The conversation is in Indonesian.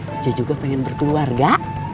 saya juga ingin berkeluarga